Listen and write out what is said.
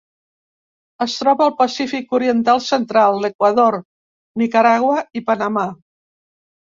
Es troba al Pacífic oriental central: l'Equador, Nicaragua i Panamà.